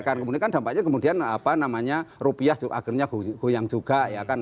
kemudian kan dampaknya kemudian apa namanya rupiah akhirnya goyang juga ya kan